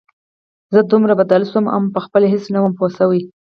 زه دومره بدل سوى وم او پخپله هېڅ نه وم پوه سوى.